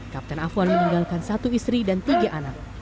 kapten afwan meninggalkan satu istri dan tujuh anak